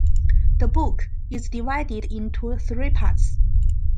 The book is divided into three parts.